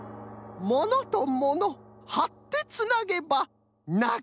「ものとものはってつなげばなかよしだ」。